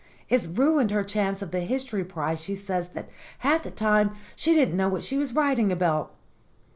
It's ruined her chance of the his tory prize she says that half the time she didn't know what she was writing about."